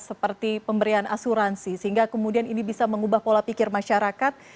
seperti pemberian asuransi sehingga kemudian ini bisa mengubah pola pikir masyarakat